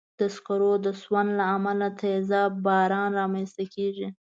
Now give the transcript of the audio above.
د سکرو د سون له امله تېزاب باران رامنځته کېږي.